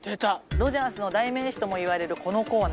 ロヂャースの代名詞ともいわれるこのコーナー。